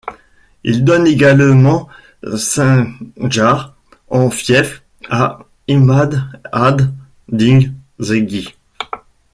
Il donne également Sindjar en fief à Imad ad-Din Zengi.